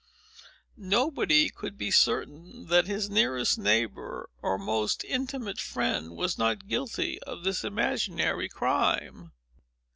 Nobody could be certain that his nearest neighbor, or most intimate friend, was not guilty of this imaginary crime.